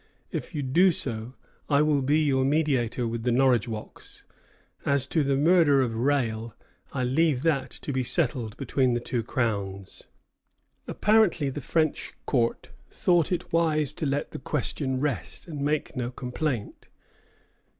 If you do so, I will be your mediator with the Norridgewocks. As to the murder of Rale, I leave that to be settled between the two Crowns." Apparently the French court thought it wise to let the question rest, and make no complaint.